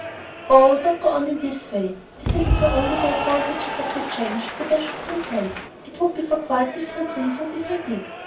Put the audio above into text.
"Oh, don't go on in this way, as if it were only for the advantages of the change that I should consent. It would be for quite different reasons, if I did."